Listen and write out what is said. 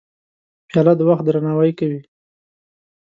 پیاله د وخت درناوی کوي.